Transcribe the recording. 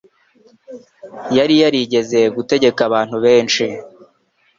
yari yarigeze gutegeka abantu benshi